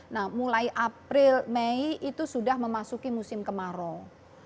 nah mulai april mei itu sudah memasuki musim kemarau